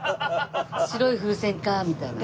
白い風船かみたいな。